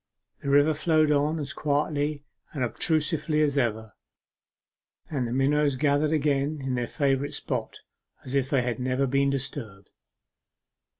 The river flowed on as quietly and obtusely as ever, and the minnows gathered again in their favourite spot as if they had never been disturbed.